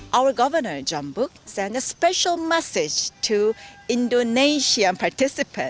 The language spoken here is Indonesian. pemerintah jambore kita mengirimkan peserta indonesia yang tertutup di sini